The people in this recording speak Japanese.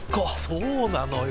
そうなのよ。